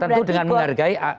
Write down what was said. tentu dengan menghargai